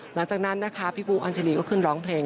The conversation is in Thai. หลังจากนั้นนะคะพี่บู้อัญชาลีก็ขึ้นร้องเพลง